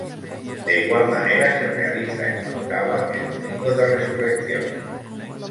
De igual manera, se realiza en la Octava, el Domingo de Resurrección.